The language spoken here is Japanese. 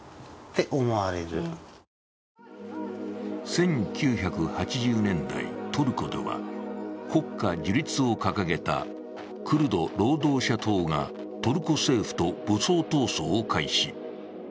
１９８０年代、トルコでは国家樹立を掲げたクルド労働者党がトルコ政府と武装闘争を開始。